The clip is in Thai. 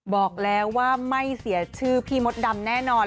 บอกแล้วว่าไม่เสียชื่อพี่มดดำแน่นอน